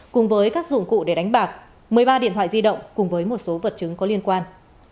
cùng với các dụng cụ để đánh bạc một mươi ba điện thoại di động cùng với một số vật chứng có liên quan